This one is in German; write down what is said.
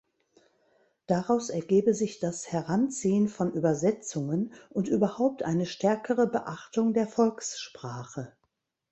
Daraus ergebe sich das Heranziehen von Übersetzungen und überhaupt eine stärkere Beachtung der Volkssprache.